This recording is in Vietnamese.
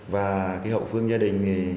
và hậu phương gia đình